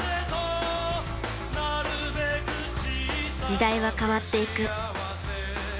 時代は変わっていく。